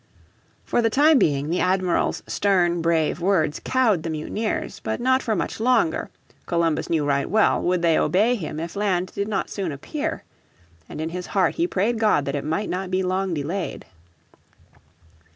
For the time being the Admiral's stern, brave words cowed the mutineers. But not for much longer, Columbus knew right well, would they obey him if land did not soon appear. And in his heart he prayed God that it might not be long delayed.